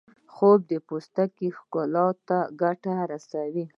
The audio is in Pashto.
خوب د پوستکي ښکلا ته ګټه رسوي